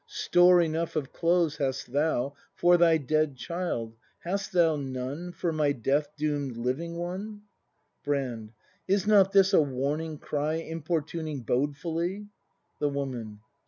Store enough of clothes hast thou For thy dead child: hast thou none For my death doom'd living one.'' Brand. Is not this a warning cry Importuning bodefully ? The Woman.